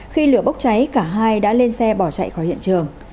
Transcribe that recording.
khi lửa bốc cháy cả hai đã lên xe bỏ chạy khỏi hiện trường